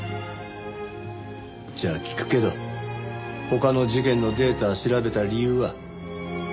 じゃあ聞くけど他の事件のデータ調べた理由は？